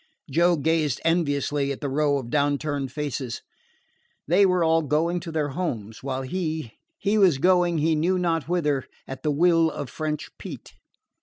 Joe gazed enviously at the row of down turned faces. They were all going to their homes, while he he was going he knew not whither, at the will of French Pete.